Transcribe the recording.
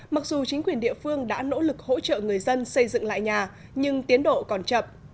mặc dù chính quyền địa phương đã nỗ lực hỗ trợ người dân xây dựng lại nhà nhưng tiến độ còn chậm